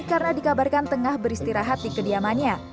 karena dikabarkan tengah beristirahat di kediamannya